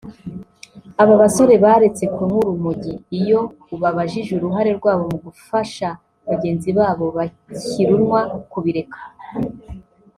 Aba basore baretse kunywa urumogi iyo ubabajije uruhare rwabo mu gufasha bagenzi babo bakirunywa kubireka